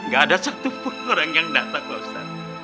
gak ada satupun orang yang datang pak ustadz